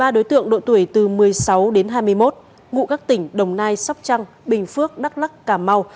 ba đối tượng độ tuổi từ một mươi sáu đến hai mươi một ngụ các tỉnh đồng nai sóc trăng bình phước đắk lắc cà mau